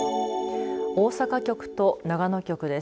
大阪局と長野局です。